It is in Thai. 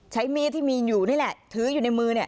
ใช้มีดที่มีอยู่นี่แหละถืออยู่ในมือ